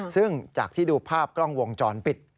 ซึ่งจากที่ดูภาพกล้องวงจรปิด